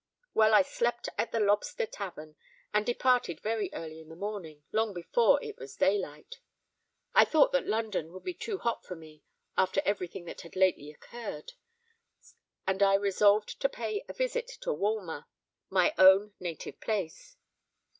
Well, I slept at the Lobster Tavern, and departed very early in the morning—long before it was day light. I thought that London would be too hot for me, after every thing that had lately occurred; and I resolved to pay a visit to Walmer—my own native place.